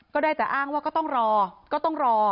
ก็ได้แต่อ้างว่าก็ต้องรอก็ต้องรอ